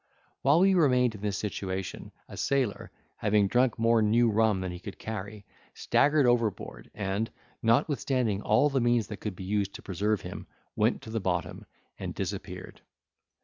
While we remained in this situation, a sailor, having drunk more new rum than he could carry, staggered over board, and, notwithstanding all the means that could be used to preserve him, went to the bottom, and disappeared.